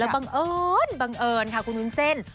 บังเอิญบังเอิญค่ะคุณวุ้นเส้น